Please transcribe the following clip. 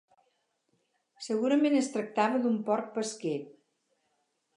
Segurament es tractava d'un port pesquer.